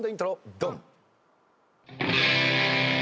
ドン！